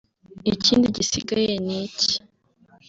ikindi gisigaye ni iki